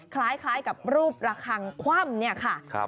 คล้ายกับรูประคังคว่ำเนี่ยค่ะ